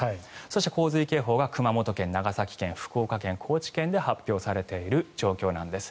そして洪水警報が熊本県、長崎県、福岡県高知県で発表されている状況なんです。